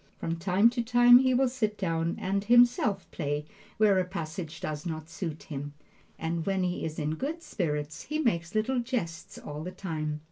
From time to time he will sit down and himself play where a passage does not suit him, and when he is in good spirits he makes little jests all the time.